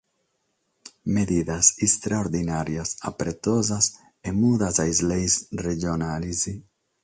Medidas istraordinàrias apretosas e mudas a is leges regionales.